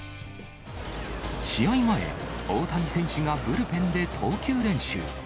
試合前、大谷選手がブルペンで投球練習。